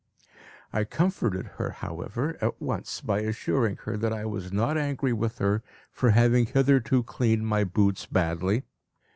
I comforted her, however, at once by assuring her that I was not angry with her for having hitherto cleaned my boots badly.